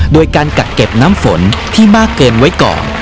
โดยการกักเก็บน้ำฝนที่มากเกินไว้ก่อน